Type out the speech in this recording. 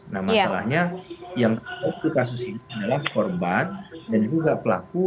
nah masalahnya yang satu kasus ini adalah korban dan juga pelaku